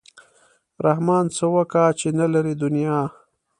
رحمان څه وکا چې نه لري دنیا.